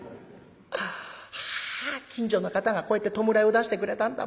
あ近所の方がこうやって弔いを出してくれたんだ。